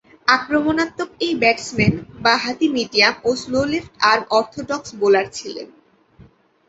আক্রমণাত্মক এই ব্যাটসম্যান বাঁহাতি মিডিয়াম ও slow left arm orthodox bowler ছিলেন।